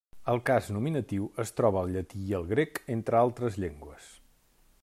El cas nominatiu es troba al llatí i al grec, entre altres llengües.